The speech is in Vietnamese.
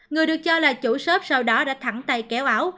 người được cho là chủ shop sau đó đã thẳng tay kéo áo